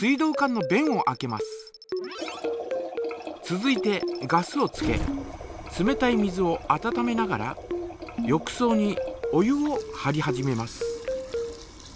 続いてガスをつけ冷たい水を温めながら浴そうにお湯をはり始めます。